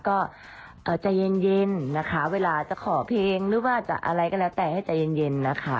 ก็ใจเย็นนะคะเวลาจะขอเพลงหรือว่าจะอะไรก็แล้วแต่ให้ใจเย็นนะคะ